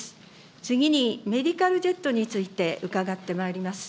次に、メディカルジェットについて伺ってまいります。